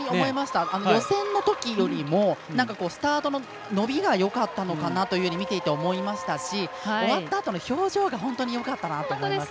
予選のときよりもスタートの伸びがよかったかなと見ていて思いましたし終わったあとの表情が本当によかったなと思います。